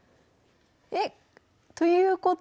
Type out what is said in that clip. えっということはあれ？